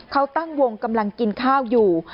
เขาตั้งวงกำลังกินข้าวอยู่